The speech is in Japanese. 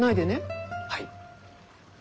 はい。